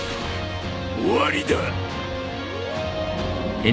終わりだ。